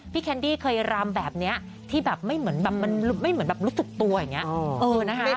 พี่แคนดี้เคยรำแบบนี้ที่แบบไม่เหมือนรู้สึกตัวอย่างนี้